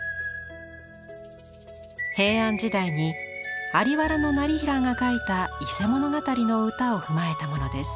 平安時代に在原業平が書いた「伊勢物語」の歌を踏まえたものです。